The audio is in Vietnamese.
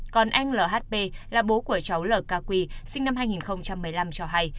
còn anh lhp là bố của cháu lkq sinh năm hai nghìn một mươi năm cho hay